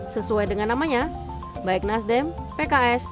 sesuai dengan namanya baik nasdem pks dan pks